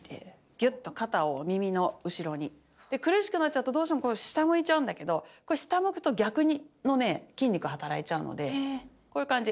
ぎゅっと肩を耳の後ろに。で苦しくなっちゃうとどうしてもこう下向いちゃうんだけどこれ下向くと逆のね筋肉働いちゃうのでこういう感じ。